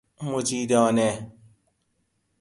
مجیدانه